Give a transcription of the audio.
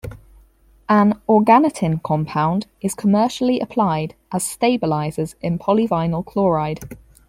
An organotin compound is commercially applied as stabilizers in polyvinyl chloride.